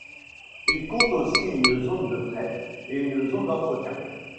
Il compte aussi une zone de fret et une zone d'entretien.